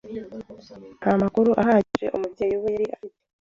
nta makuru ahagije umubyeyi we yari afite